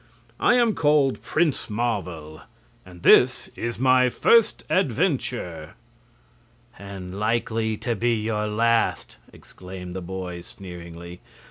"I am called Prince Marvel, and this is my first adventure." "And likely to be your last," exclaimed the boy, sneeringly.